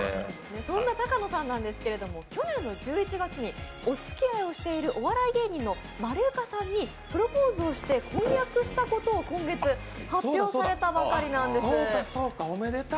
そんな高野さんですけれども去年１１月におつきあいしている芸人のまるゆかさんにプロポーズをして婚約したことを今月発表されたばかりなんです。